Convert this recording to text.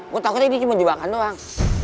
gua takutnya ini cuma jebakan doang